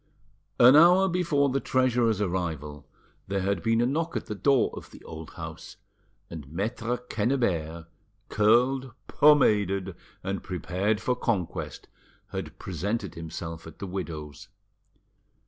An hour before the treasurer's arrival there had been a knock at the door of the old house, and Maitre Quennebert, curled, pomaded, and prepared for conquest, had presented himself at the widow's.